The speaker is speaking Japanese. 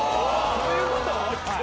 そういうこと？